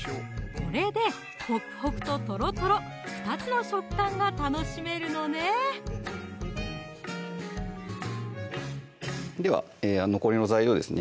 これでホクホクととろとろ２つの食感が楽しめるのねでは残りの材料ですね